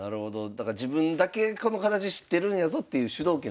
だから自分だけこの形知ってるんやぞっていう主導権を取る。